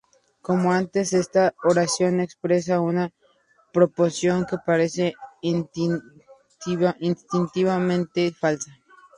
Como antes, esta oración expresa una proposición que parece intuitivamente falsa.